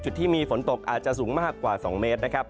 จุดที่มีฝนตกอาจจะสูงมากกว่า๒เมตรนะครับ